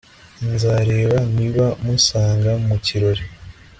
Nzareba niba musanga mu kirori